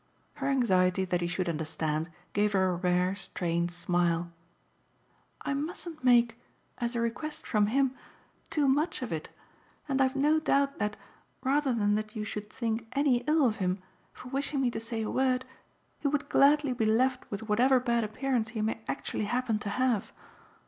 Her anxiety that he should understand gave her a rare strained smile. "I mustn't make as a request from him too much of it, and I've not a doubt that, rather than that you should think any ill of him for wishing me to say a word, he would gladly be left with whatever bad appearance he may actually happen to have."